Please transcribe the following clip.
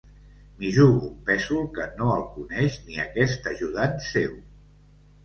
M'hi jugo un pèsol que no el coneix ni aquest ajudant seu.